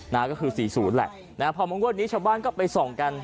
นะฮะก็คือสี่ศูนย์แหละนะฮะพอมางวดนี้ชาวบ้านก็ไปส่องกัน